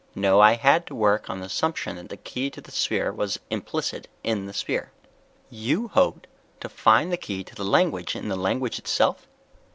No, I had to work on the assumption that the key to the sphere was implicit in the sphere." "You hoped to find the key to the language in the language itself?"